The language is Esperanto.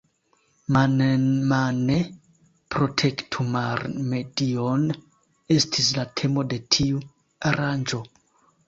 Man-en-mane protektu mar-medion estis la temo de tiu aranĝo.